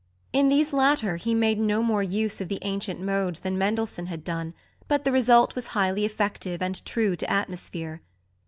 In these latter he made no more use of the ancient modes than Mendelssohn had done; but the result was highly effective and true to atmosphere.